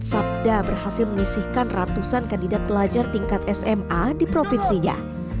sabda berhasil menyisihkan ratusan kandidat pelajar tingkat sma di provinsinya